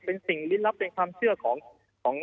เป็นสิ่งลิ้นลับเป็นความเชื่อของ